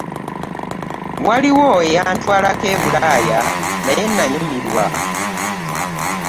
Waliwo eyantwalako e Bulaaya naye nanyumirwa.